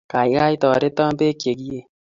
Gaigai, toreto beek cheekiie